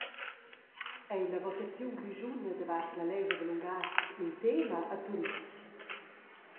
Ei la votaziun grischuna davart la lescha da lungatgs in tema a Turitg?